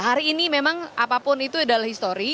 hari ini memang apapun itu adalah histori